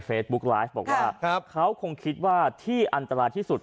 เฟซบุ๊กไลฟ์บอกว่าครับเขาคงคิดว่าที่อันตราที่สุด